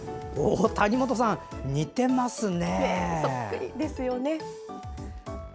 谷本さん、似てますね。